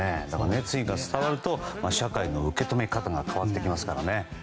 熱意が伝わると社会の受け止め方が変わってきますからね。